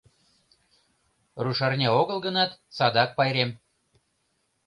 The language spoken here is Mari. Рушарня огыл гынат, садак пайрем.